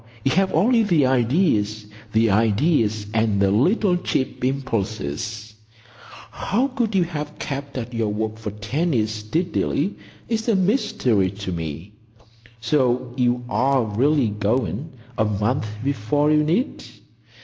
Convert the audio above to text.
You have only the ideas—the ideas and the little cheap impulses. How you could have kept at your work for ten years steadily is a mystery to me. So you are really going,—a month before you need?"